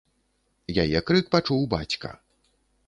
Яе крык пачуў бацька.